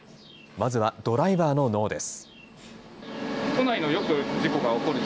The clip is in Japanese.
まずはドライバーの脳です。